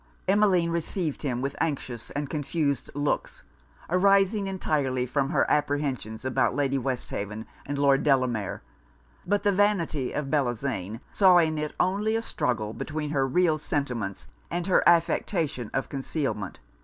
Emmeline received him with anxious and confused looks, arising entirely from her apprehensions about Lady Westhaven and Lord Delamere; but the vanity of Bellozane saw in it only a struggle between her real sentiments and her affectation of concealment.